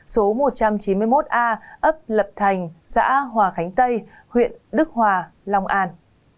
số một trăm chín mươi một a ấp lập thành xã hòa khánh tây huyện đức hòa long an